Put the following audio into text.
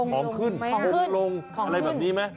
ของขึ้นมกลงอะไรแบบนี้ไหม